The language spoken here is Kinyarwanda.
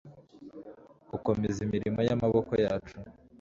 ukomeze imirimo y’amaboko yacu